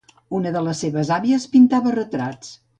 Una de les seves àvies pintava retrats.